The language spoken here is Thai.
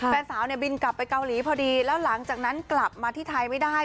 แฟนสาวเนี่ยบินกลับไปเกาหลีพอดีแล้วหลังจากนั้นกลับมาที่ไทยไม่ได้